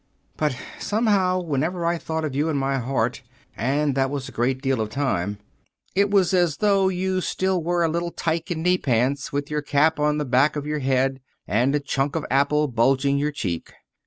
But somehow, whenever I thought of you in my heart and that was a great deal of the time it was as though you still were a little tyke in knee pants, with your cap on the back of your head, and a chunk of apple bulging your cheek.